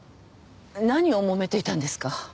何をもめていたんですか？